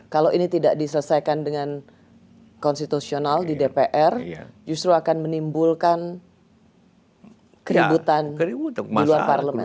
kalau ini tidak diselesaikan dengan konstitusional di dpr justru akan menimbulkan keributan di luar parlemen